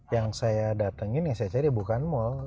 yang saya datengin yang saya cari bukan mall